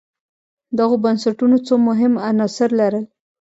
دغو بنسټونو څو مهم عناصر لرل